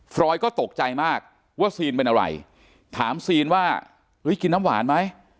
รอยก็ตกใจมากว่าซีนเป็นอะไรถามซีนว่าเฮ้ยกินน้ำหวานไหม